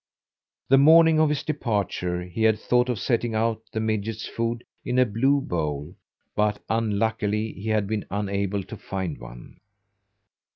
The morning of his departure he had thought of setting out the midget's food in a blue bowl, but, unluckily, he had been unable to find one.